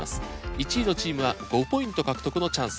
１位のチームは５ポイント獲得のチャンス！